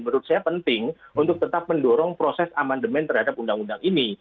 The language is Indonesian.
menurut saya penting untuk tetap mendorong proses amandemen terhadap undang undang ini